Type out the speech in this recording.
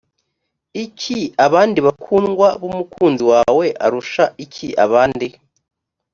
iki abandi bakundwa b umukunzi wawe arusha iki abandi